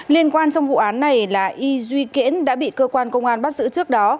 liên quan trong vụ án này là y duy kẽn đã bị cơ quan công an bắt giữ trước đó